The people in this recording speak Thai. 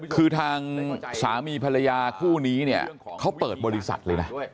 คือทางสามีภรรยาคู่นี้เนี่ยเขาเปิดบริษัทเลยนะ